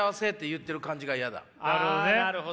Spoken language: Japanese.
なるほど。